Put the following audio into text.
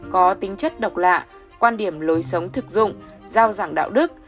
có tính chất độc lạ quan điểm lối sống thực dụng giao giảng đạo đức